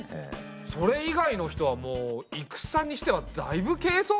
それ以外の人はもう戦にしてはだいぶ軽装備だよね。